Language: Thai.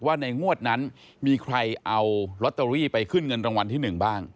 ในงวดนั้นมีใครเอาลอตเตอรี่ไปขึ้นเงินรางวัลที่๑บ้าง